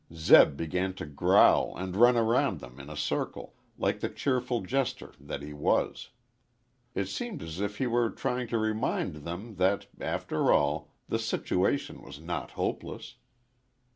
Zeb began to growl and run around them in a circle, like the cheerful jester that he was. It seemed as if he were trying to remind them that, after all, the situation was not hopeless.